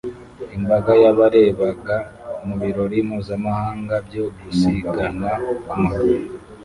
imbaga yabarebaga mu birori mpuzamahanga byo gusiganwa ku magare